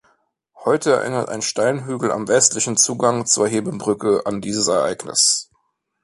Heute erinnert ein Steinhügel am westlichen Zugang zur Hebebrücke an dieses Ereignis.